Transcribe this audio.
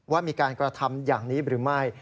ว่ามีการกระทำอย่างนี้หรือไม่